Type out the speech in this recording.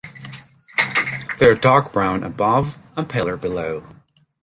They are dark brown above and paler below.